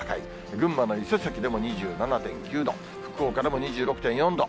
群馬の伊勢崎でも２７．９度、福岡でも２６．４度。